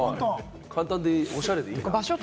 簡単で、おしゃれでいいな。